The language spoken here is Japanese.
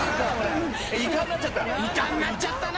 イカになっちゃったな！